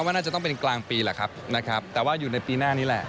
เป็นน่าจะเป็นกลางปีแหละครับว่ามันแล้วนี้แหละ